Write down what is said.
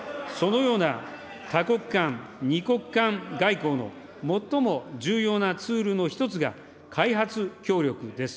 そのような多国間、２国間外交の最も重要なツールの一つが、開発協力です。